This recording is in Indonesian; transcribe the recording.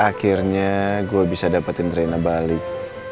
akhirnya gue bisa dapetin drena balik